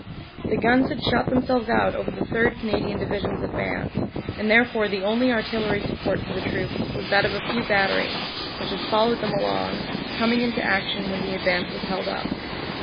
The guns had shot themselves out over the 3rd. Canadian Divi sion s advance, and therefore the only artillery support for the troops was that of a few batteries which had followed them along, coming into action when the advance was held up.